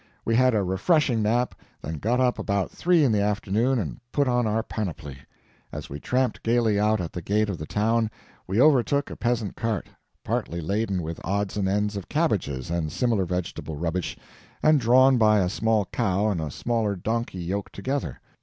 We had a refreshing nap, then got up about three in the afternoon and put on our panoply. As we tramped gaily out at the gate of the town, we overtook a peasant's cart, partly laden with odds and ends of cabbages and similar vegetable rubbish, and drawn by a small cow and a smaller donkey yoked together.